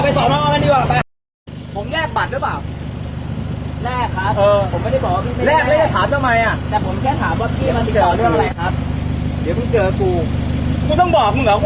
เอานี่ดีกว่าไปสอบน้องเอามันดีกว่าไป